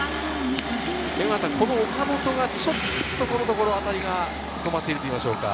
岡本がちょっとこのところ当たりが止まっているというか。